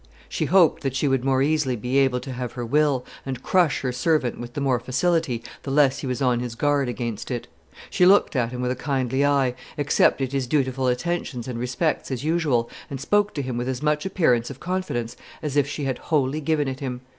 "She hoped that she would more easily be able to have her will, and crush her servant with the more facility, the less he was on his guard against it; she looked at him with a kindly eye, accepted his dutiful attentions and respects as usual, and spoke to him with as much appearance of confidence as if she had wholly given it him."